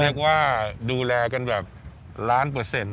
เรียกว่าดูแลกันแบบล้านเปอร์เซ็นต์